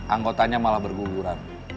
anggotanya malah berguguran